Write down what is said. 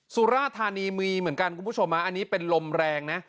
สุราธานีมีเหมือนกันคุณผู้ชมอันนี้เป็นลมแรงนะ